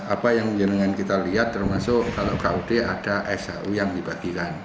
apa yang kita lihat termasuk kalau kud ada shu yang dibagikan